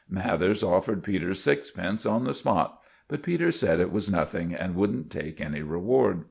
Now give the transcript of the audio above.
Mathers offered Peters sixpence on the spot, but Peters said it was nothing, and wouldn't take any reward.